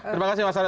terima kasih mas ari